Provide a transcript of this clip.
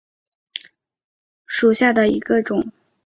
薄瓣节节菜为千屈菜科节节菜属下的一个种。